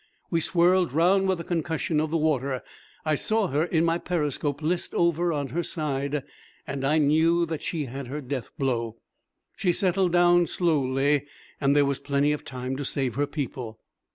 We swirled round with the concussion of the water. I saw her in my periscope list over on her side, and I knew that she had her death blow. She settled down slowly, and there was plenty of time to save her people.